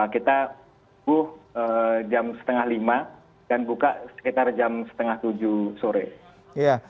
kita buka jam setengah lima dan buka sekitar jam setengah tujuh sore